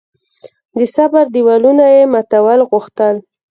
د صبر دېوالونه یې ماتول غوښتل.